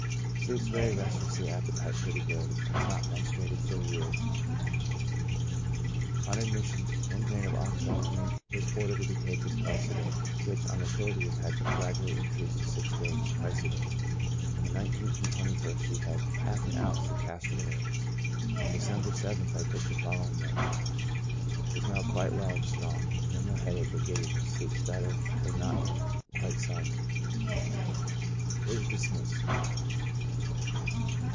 Sleeps very restlessly, appetite pretty good : has not menstruated for a year. On admission, one grain of oxide of zinc v^as ordered to be taken twice a day, which on the 30th had been gradually increased to six grains twice a day. On the 19th and 21st she had half an ounce of castor oil. On December the 7th I took the following note: " Is now quite well and strong, no more headache or giddiness, sleeps better, though not yet quite soundly. Is dismissed."